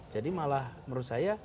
jadi malah menurut saya kita